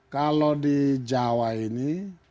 kalau di jawa ini